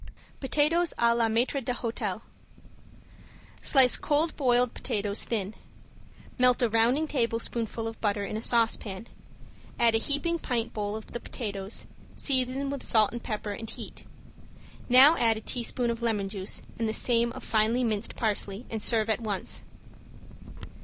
~POTATOES A LA MAITRE D'HOTEL~ Slice cold boiled potatoes thin. Melt a rounding tablespoonful of butter in a saucepan, add a heaping pint bowl of the potatoes, season with salt and pepper, and heat. Now add a teaspoon of lemon juice and the same of finely minced parsley, and serve at once.